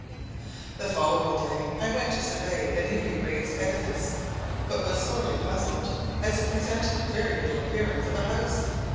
The following day I went to survey the newly raised edifice, but was sorely puzzled, as it presented very little appearance of a house.